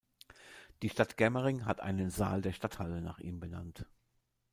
Die Stadt Germering hat einen Saal der Stadthalle nach ihm benannt.